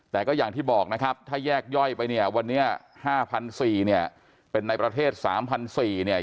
แต่ก็อย่างที่บอกนะครับถ้าแยกย่อยไปเนี่ยวันนี้๕๔๐๐เนี่ยเป็นในประเทศ๓๔๐๐เนี่ย